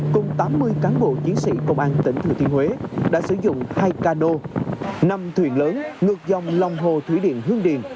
cùng tám mươi cán bộ chiến sĩ công an tỉnh thừa thiên huế đã sử dụng hai cano năm thuyền lớn ngược dòng lòng hồ thủy điện hương điền